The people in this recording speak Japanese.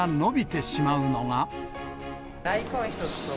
大根１つと。